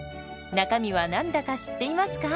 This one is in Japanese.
中身は何だか知っていますか？